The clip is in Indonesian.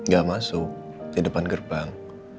gak masuk di depan gerbang